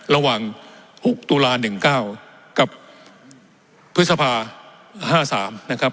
ระหว่างหกตุลาหนึ่งเก้ากับพฤษภาห้าสามนะครับ